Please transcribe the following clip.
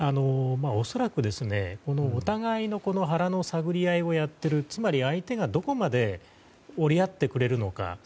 恐らく、お互いの腹の探り合いをやっているつまり、相手がどこまで折り合ってくれるのか。